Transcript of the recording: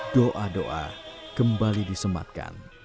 doa doa kembali disematkan